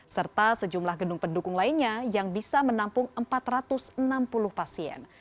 serta sejumlah gedung pendukung lainnya yang bisa menampung empat ratus enam puluh pasien